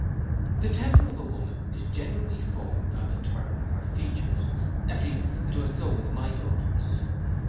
The temper of a woman is generally formed from the turn of her features, at least it was so with my daughters.